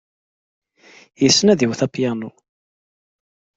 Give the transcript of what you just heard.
Yessen ad iwet apyanu.